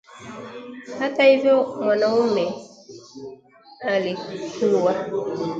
Hata hivyo mwanamume alikuwa